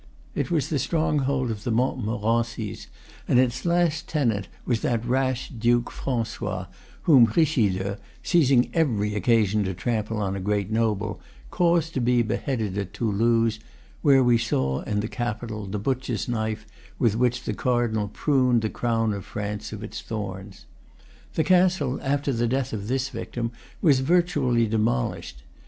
It was the stronghold of the Montmorencys, and its last tenant was that rash Duke Francois, whom Richelieu, seizing every occasion to trample on a great noble, caused to be beheaded at Toulouse, where we saw, in the Capitol, the butcher's knife with which the cardinal pruned the crown of France of its thorns. The castle, after the death of this victim, was virtually demolished.